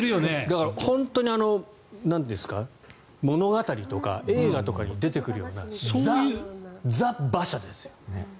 だから本当に物語とか映画とかに出てくるようなザ・馬車ですよ。